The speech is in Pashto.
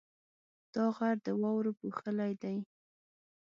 دا غر د واورو پوښلی دی.